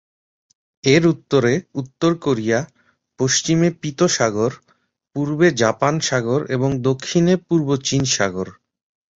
এর উত্তরে উত্তর কোরিয়া, পশ্চিমে পীত সাগর, পূর্বে জাপান সাগর এবং দক্ষিণে পূর্ব চীন সাগর।